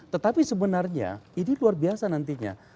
tetapi sebenarnya ini luar biasa nantinya